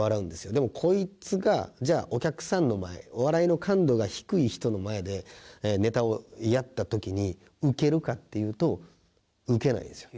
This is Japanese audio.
でもこいつがじゃあお客さんの前笑いの感度が低い人の前でネタをやった時にウケるかっていうとウケないんですよ。